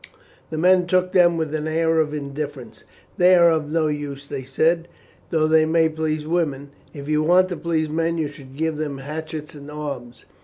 The men took them with an air of indifference. "They are of no use," they said, "though they may please women. If you want to please men you should give them hatchets and arms."